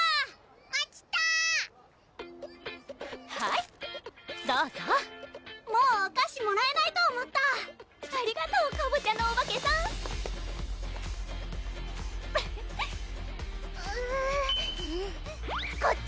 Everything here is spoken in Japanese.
まちたはいどうぞもうお菓子もらえないと思ったありがとうかぼちゃのお化けさんフフッこっち！